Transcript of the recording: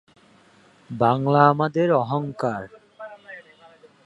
বিভিন্ন কল-কারখানার উৎপাদন বৃদ্ধির ক্ষেত্রে তার এই নীতিটি সব থেকে ব্যাপক ভাবে ব্যবহৃত হচ্ছে।